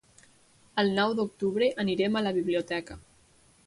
El nou d'octubre anirem a la biblioteca.